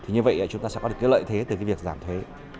như vậy chúng ta sẽ có lợi thế từ việc giảm thuế